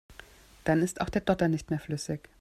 Dann ist auch der Dotter nicht mehr flüssig.